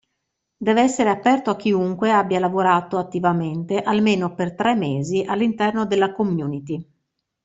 Deve essere aperto a chiunque abbia lavorato attivamente almeno per tre mesi all'interno della community.